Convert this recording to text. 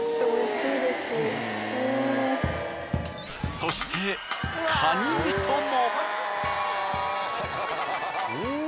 そしてカニ味噌も。